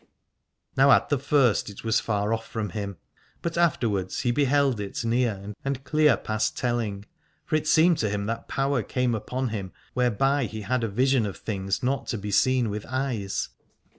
Now at the first it was far off from him, but afterwards he beheld it near and clear past telling, for it seemed to him that power came upon him whereby he had vision of things not to be seen with eyes.